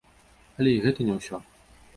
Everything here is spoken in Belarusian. Але і гэта не ўсё!